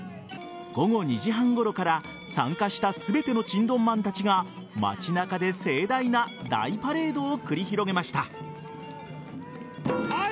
午後２時半頃から参加した全てのチンドンマンたちが街中で盛大な大パレードを繰り広げました。